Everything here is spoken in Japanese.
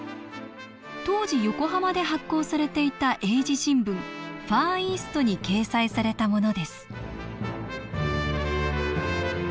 当時横浜で発行されていた英字新聞「ＦＡＲＥＡＳＴ．」に掲載されたものです